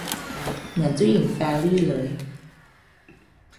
เหมือนเจ้าหญิงแฟรรี่เลย